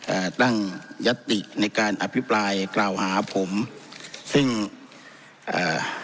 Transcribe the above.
อ่าตั้งยัตติในการอภิปรายกล่าวหาผมซึ่งเอ่อ